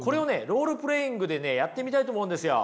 ロールプレーイングでねやってみたいと思うんですよ。